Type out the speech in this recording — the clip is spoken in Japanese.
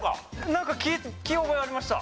なんか聞き覚えありました。